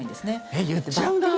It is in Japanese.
えっ、言っちゃうなあ。